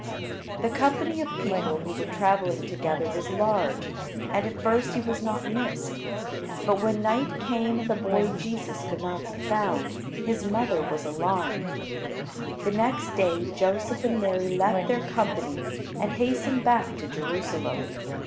The company of people who were traveling together was large, and at first he was not missed. But when night came and the boy Jesus could not be found, his mother was alarmed. The next day Joseph and Mary left their company and hastened back to Jerusalem.